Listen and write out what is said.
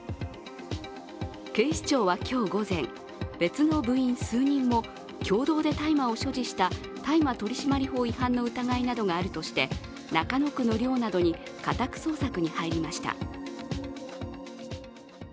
警視庁は今日午前、別の部員数人も共同で大麻を所持した大麻取締法違反の疑いがあるとして中野区の寮などに家宅捜索に入りました。